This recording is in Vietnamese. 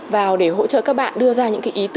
vào để hỗ trợ các bạn đưa ra những ý tưởng họ sáng tạo